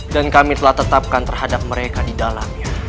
dan kami telah tetapkan terhadap mereka di dalamnya